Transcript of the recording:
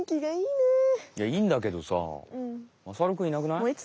いやいいんだけどさまさるくんいなくない？